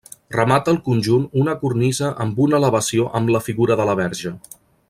Remata el conjunt una cornisa amb una elevació amb la figura de la Verge.